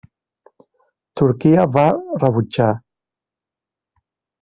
Turquia va rebutjar.